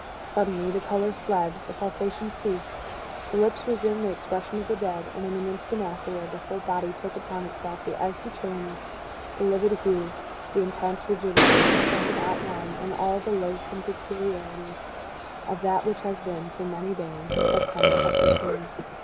Suddenly, the color fled, the pulsation ceased, the lips resumed the expression of the dead, and, in an instant afterward, the whole body took upon itself the icy chilliness, the livid hue, the intense rigidity, the sunken outline, and all the loathsome peculiarities of that which has been, for many days, a tenant of the tomb.